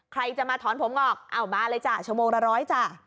ใครจะมาถอนผมงอกเอามาเลยจ้ะชั่วโมงละร้อยจ้ะ